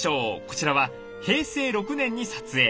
こちらは平成６年に撮影。